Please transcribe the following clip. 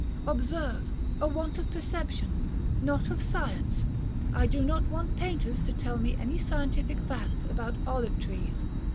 Observe, a want of perception, not of science. I do not want painters to tell me any scientific facts about olive trees.